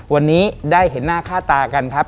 วันนี้ได้เห็นหน้าค่าตากันครับ